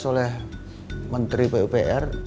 oleh menteri pupr